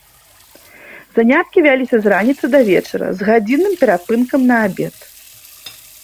Заняткі вяліся з раніцы да вечара з гадзінным перапынкам на абед.